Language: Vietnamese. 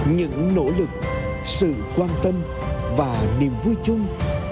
những nỗ lực sự quan tâm và niềm vui chung